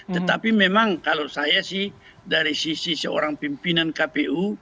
tetapi memang kalau saya sih dari sisi seorang pimpinan kpu